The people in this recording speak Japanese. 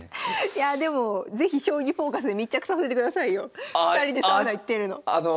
いやでも是非「将棋フォーカス」で密着させてくださいよ２人でサウナ行ってるの。